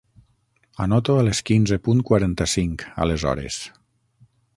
Anoto a les quinze punt quaranta-cinc aleshores.